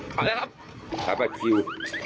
ไปแล้วครับรับบัตรคิว